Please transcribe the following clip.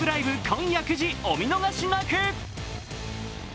今夜９時お見逃しなく！